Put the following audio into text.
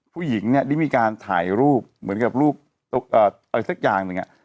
ผู้หญิงเนี่ยได้มีการถ่ายรูปเหมือนกับรูปอะไรสักอย่างหนึ่ง